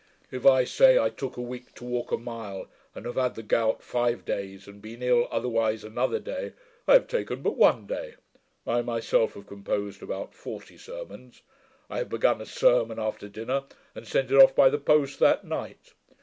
If I say I took a week to walk a mile, and have had the gout five days, and been ill otherwise another day, I have taken but one day. I myself have composed about forty sermons. I have begun a sermon after dinner, and sent it off by the post that night.